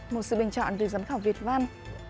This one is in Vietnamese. một sự bình chọn từ giám khảo việt văn